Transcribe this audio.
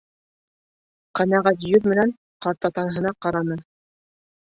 Ҡәнәғәт йөҙ менән ҡартатаһына ҡараны.